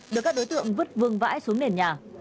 được các đối tượng vứt vương vãi xuống nền nhà